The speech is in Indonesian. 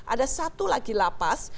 ada satu lagi lapas